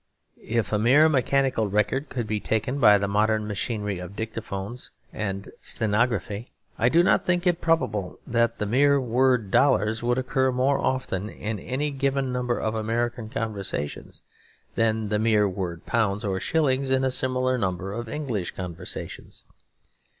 If a mere mechanical record could be taken by the modern machinery of dictaphones and stenography, I do not think it probable that the mere word 'dollars' would occur more often in any given number of American conversations than the mere word 'pounds' or 'shillings' in a similar number of English conversations.